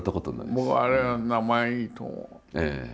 僕はあれは名前いいと思う。